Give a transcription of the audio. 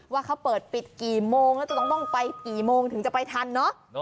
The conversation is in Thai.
ว่าเขาเปิดปิดกี่โมงแล้วจะต้องไปกี่โมงถึงจะไปทันเนอะ